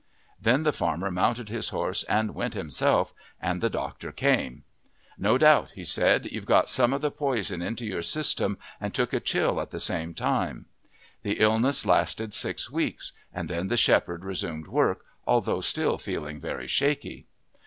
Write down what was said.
Then the farmer mounted his horse and went himself, and the doctor came. "No doubt," he said, "you've got some of the poison into your system and took a chill at the same time." The illness lasted six weeks, and then the shepherd resumed work, although still feeling very shaky.